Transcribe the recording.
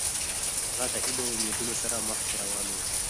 هغه د هیلو او امیدونو سره مخکې روان و.